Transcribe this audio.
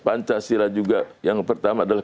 pancasila juga yang pertama adalah